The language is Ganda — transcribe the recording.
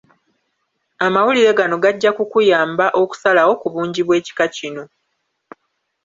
Amawulire gano gajja kukuyamba okusalawo ku bungi bw’ekika kino.